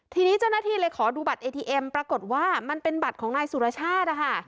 ทีนี้เจ้าหน้าที่เลยขอดูบัตรเอทีเอ็มปรากฏว่ามันเป็นบัตรของนายสุรชาตินะคะ